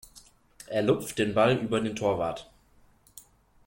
Er lupft den Ball über den Torwart.